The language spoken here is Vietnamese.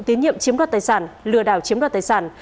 tín nhiệm chiếm đoạt tài sản lừa đảo chiếm đoạt tài sản